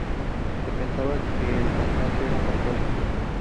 Se pensaba que el cansancio era un factor.